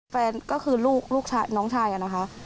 แฟนก็คือลูกน้องชายนะคะ